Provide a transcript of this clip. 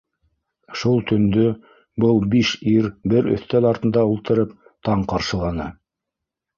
Шул төндө был биш ир бер өҫтәл артында ултырып, таң ҡаршыланы.